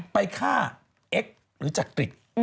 ไปฆ่าเอ็กซ์หรือจักริต